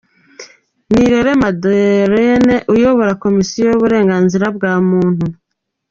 Nirere Madelaine uyobora Komisiyo y’Uburenganzira bwa Muntu.